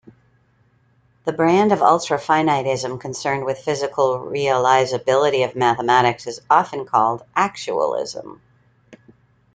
The brand of ultrafinitism concerned with physical realizability of mathematics is often called actualism.